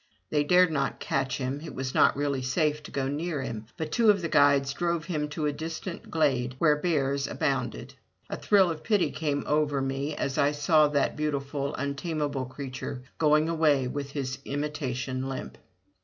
They dared not catch him, it was not really safe to go near him, but two of the guides drove him to a distant glade where bears abounded. A thrill of pity came over me as I saw that beautiful untamable creature going away with his imitation limp.